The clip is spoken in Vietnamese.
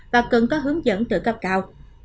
và cần có hướng dẫn tự cấp cao